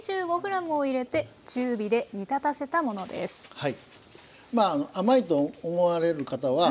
はい。